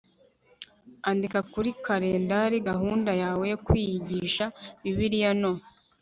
andika kuri kalendari gahunda yawe yo kwiyigisha bibiliya no